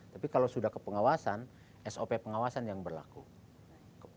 tapi kalau sudah ke pengawasan sop pengawasan yang berlaku